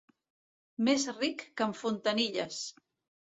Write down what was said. Més ric que en Fontanilles.